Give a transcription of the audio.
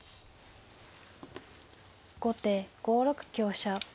後手５六香車。